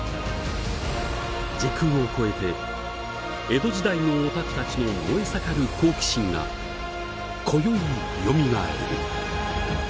時空を超えて江戸時代のオタクたちの燃え盛る好奇心がこよいよみがえる。